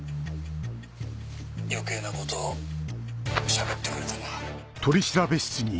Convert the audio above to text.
余計なことをしゃべってくれたな。